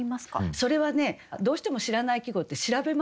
それはねどうしても知らない季語って調べますよね。